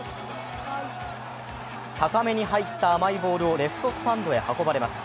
高めに入った甘いボールをレフトスタンドに運ばれます。